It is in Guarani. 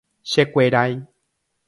Chekuerái.